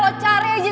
dan gua akan pastiin